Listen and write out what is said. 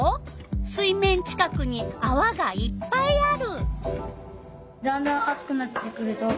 水面近くにあわがいっぱいある。